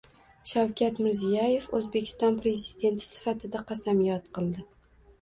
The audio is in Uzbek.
Shavkat Mirziyoyev O‘zbekiston Prezidenti sifatida qasamyod qildi